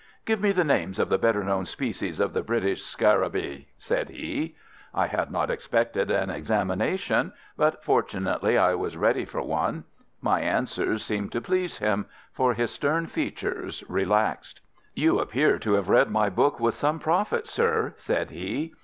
"Give me the names of the better known species of the British scarabæi," said he. I had not expected an examination, but fortunately I was ready for one. My answers seemed to please him, for his stern features relaxed. "You appear to have read my book with some profit, sir," said he.